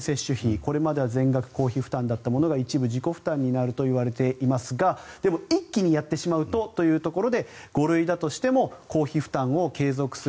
これまでは全額公費負担だったものが一部自己負担になるといわれていますがしかし、一気にやってしまうとというところで５類だとしても公費負担を継続する